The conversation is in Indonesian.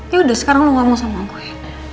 ya udah sekarang lo nggak mau sama gue